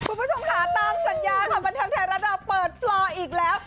คุณผู้ชมค่ะตามสัญญาค่ะประเทศไทยรัฐอันดับเปิดฟลอร์อีกแล้ว